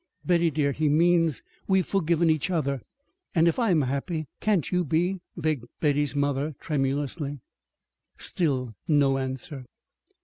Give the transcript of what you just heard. "Betty, dear, he means we've forgiven each other, and if I am happy, can't you be?" begged Betty's mother, tremulously. Still no answer.